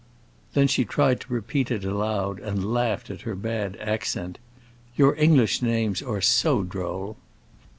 Then she tried to repeat it aloud, and laughed at her bad accent. "Your English names are so droll!"